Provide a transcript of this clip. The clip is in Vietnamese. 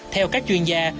theo các chuyên gia